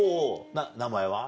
名前は？